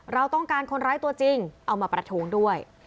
เราต้องการคนร้ายตัวจริงเอามาประท้วงด้วย